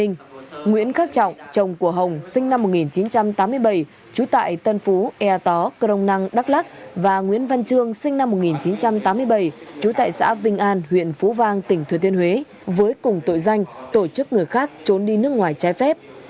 nguyễn khắc trọng chồng của hồng sinh năm một nghìn chín trăm tám mươi bảy trú tại tân phú e tó crong năng đắk lắc và nguyễn văn trương sinh năm một nghìn chín trăm tám mươi bảy trú tại xã vinh an huyện phú vang tỉnh thừa thiên huế với cùng tội danh tổ chức người khác trốn đi nước ngoài trái phép